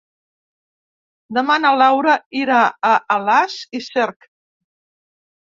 Demà na Laura irà a Alàs i Cerc.